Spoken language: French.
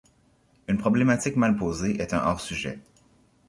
Une problématique mal posée est un hors-sujet.